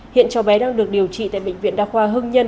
hiện cháu bé đang được điều trị tại bệnh viện đa khoa hưng nhân